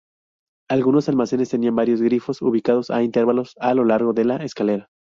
Algunos almacenes tenían varios grifos ubicados a intervalos a lo largo de la escalera.